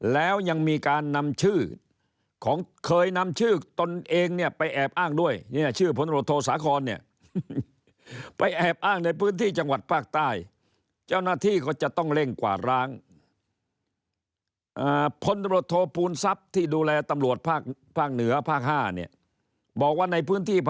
แล้วยังมีการนำชื่อของเคยนำชื่อตนเองไปแอบอ้างด้วย